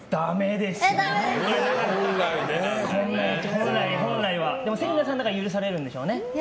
でも、芹那さんだから許されるんでしょうね。